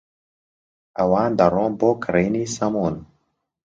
ئەوان دەڕۆن بۆ کرینی سەموون.